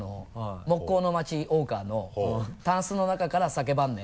木工の町大川のタンスの中から叫ばんね！